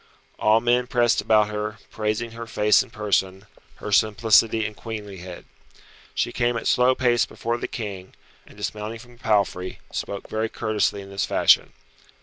All men pressed about her, praising her face and person, her simplicity and queenlihead. She came at slow pace before the King, and dismounting from the palfrey, spoke very courteously in this fashion.